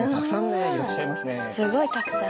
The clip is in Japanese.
すごいたくさん！